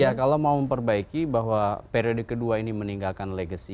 ya kalau mau memperbaiki bahwa periode kedua ini meninggalkan legacy